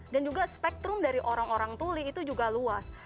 dan juga spektrum dari orang orang tuli itu juga luas